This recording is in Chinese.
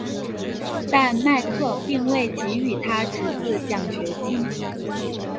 但麦克并未给予他侄子奖学金。